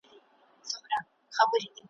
كه اورونه ابدي غواړئ بچيانو `